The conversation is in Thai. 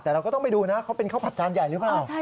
แต่เราก็ต้องไปดูนะเขาเป็นข้าวผัดจานใหญ่หรือเปล่า